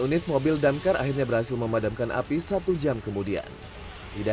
sembilan unit mobil dan kar akhirnya berhasil memadamkan api satu jam kemudian tidak